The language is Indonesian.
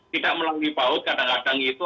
tidak melalui paut kadang kadang itu